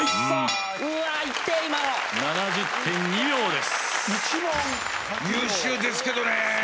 ７０．２秒です。